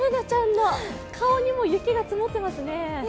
Ｂｏｏｎａちゃんの顔にも雪が積もってますね。